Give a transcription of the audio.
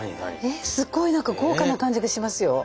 えっすっごい何か豪華な感じがしますよ。